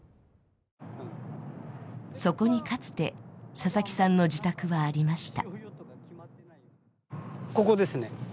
そこにかつて佐々木さんの自宅はありました。